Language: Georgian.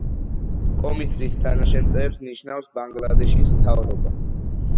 კომისრის თანაშემწეებს ნიშნავს ბანგლადეშის მთავრობა.